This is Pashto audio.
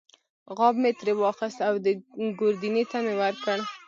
غاب مې ترې واخیست او ګوردیني ته مې ورکړ.